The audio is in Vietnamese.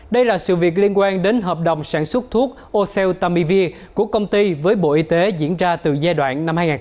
đây là sự việc liên quan đến hợp đồng sản xuất thuốc oseltamivir của công ty với bộ y tế diễn ra từ giai đoạn hai nghìn năm hai nghìn bảy